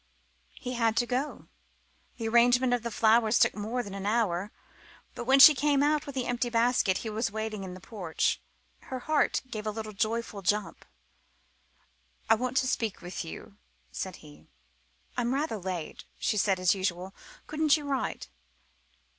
He had to go. The arrangement of the flowers took more than an hour, but when she came out with the empty basket, he was waiting in the porch. Her heart gave a little joyful jump. "I want to speak to you," said he. "I'm rather late," she said, as usual; "couldn't you write?"